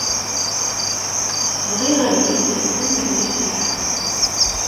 Bɣiɣ ad iyi-d-talsem melmi tuɛam.